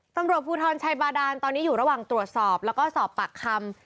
ตำรวจภูทรชัยบาดานตอนนี้อยู่ระหว่างตรวจสอบแล้วก็สอบปากคำ